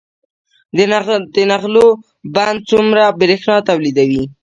د نغلو بند څومره بریښنا تولیدوي؟